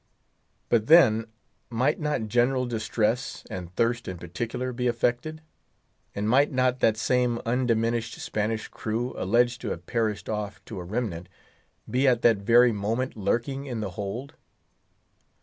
But then, might not general distress, and thirst in particular, be affected? And might not that same undiminished Spanish crew, alleged to have perished off to a remnant, be at that very moment lurking in the hold?